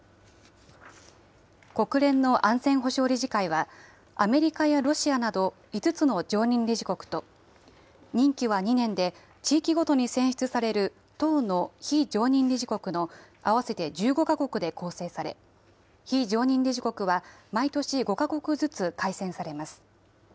国連の安全保障理事会は、アメリカやロシアなど５つの常任理事国と、任期は２年で地域ごとに選出される１０の非常任理事国の合わせて１５か国で構成され、非常任理事国は毎年５か国ずつ改選されます。